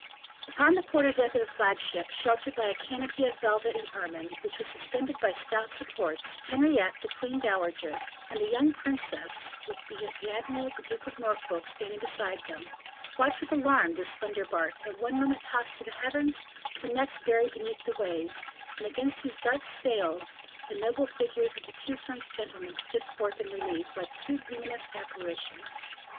Upon the quarter deck of the flagship, sheltered by a canopy of velvet and ermine, which was suspended by stout supports, Henriette, the queen dowager, and the young princess with the admiral, the Duke of Norfolk, standing beside them watched with alarm this slender bark, at one moment tossed to the heavens, and the next buried beneath the waves, and against whose dark sail the noble figures of the two French gentlemen stood forth in relief like two luminous apparitions.